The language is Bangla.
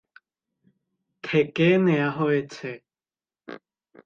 থেকে নেয়া হয়েছে।